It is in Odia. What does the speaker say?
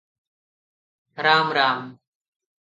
ରାମ ରାମ ।"